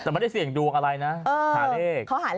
แต่มันไม่ได้เสี่ยงดูอะไรนะอ๋อ